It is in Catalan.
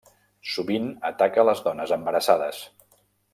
Sovint ataca a les dones embarassades.